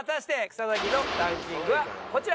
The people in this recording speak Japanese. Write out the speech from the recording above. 草薙のランキングはこちら。